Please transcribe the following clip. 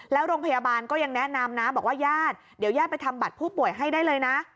แล้วโรงพยาบาลก็ยังแนะนำนะบอกว่าญาติเดี๋ยวญาติไปทำบัตรผู้ป่วยให้ได้เลยนะ